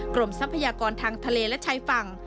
ทรัพยากรทางทะเลและชายฝั่ง